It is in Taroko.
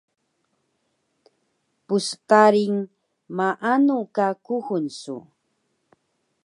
Pstarin maanu ka kuxul su?